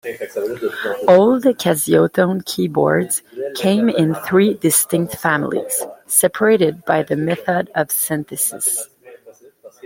Old Casiotone keyboards came in three distinct families, separated by the method of synthesis.